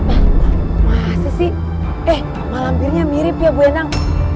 ah masih sih eh malam pirnya mirip ya bu enang